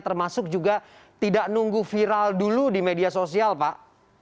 termasuk juga tidak nunggu viral dulu di media sosial pak